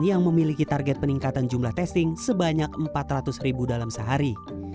yang memiliki target peningkatan jumlah testing sebanyak empat ratus ribu dalam sehari